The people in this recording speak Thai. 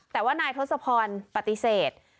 แต่ว่านายทศพรปฏิเสธ